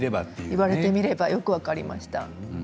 言われてみるとよく分かりました。